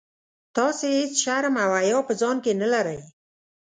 تاسي هیڅ شرم او حیا په ځان کي نه لرئ.